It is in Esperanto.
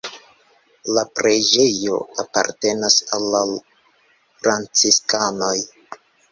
La preĝejo apartenas al la franciskanoj.